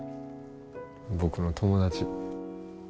僕の友達。